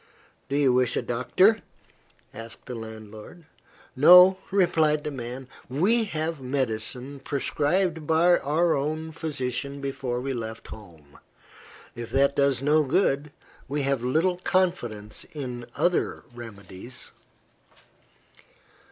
"Do you wish a doctor?" asked the landlord. "No," replied the man. "We have medicine, prescribed by our own physician before we left home. If that does no good, we have little confidence in any other remedies."